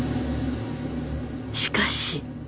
しかし。